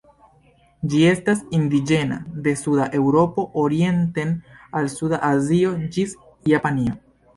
Ĝi estas indiĝena de suda Eŭropo orienten al suda Azio ĝis Japanio.